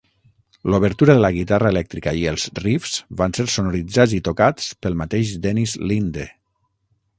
L'obertura de la guitarra elèctrica i els riffs van ser sonoritzats i tocats pel mateix Dennis Linde.